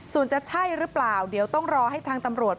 ส่วนจะใช่หรือเปล่าเดี๋ยวต้องรอให้ทางตำรวจ